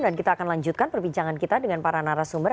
dan kita akan lanjutkan perbincangan kita dengan para narasumber